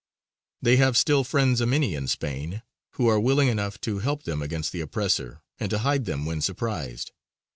They have still friends a many in Spain, who are willing enough to help them against the oppressor and to hide them when surprised.